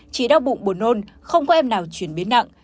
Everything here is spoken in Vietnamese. chị đau bụng buồn nôn không có em nào chuyển biến nặng